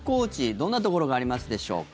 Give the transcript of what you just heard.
どんなところがありますでしょうか。